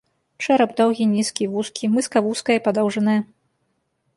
Чэрап доўгі, нізкі, вузкі, мыска вузкая і падоўжаная.